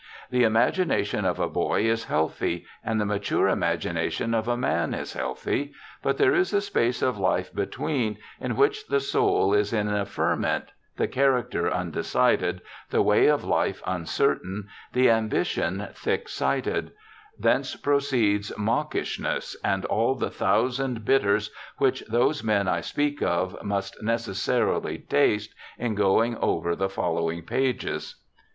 ' The imagination of a boy is health}^ and the mature imagination of a man is healthy ; but there is a space of life between, in which the soul is in a ferment, the character undecided, the way of life uncertain, the am bition thick sighted ; thence proceeds mawkishness, and all the thousand bitters which those men I speak ot must necessarily taste in going over the following pages.'